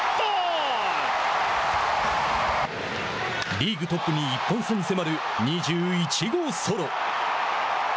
リーグトップに１本差に迫る２１号ソロ。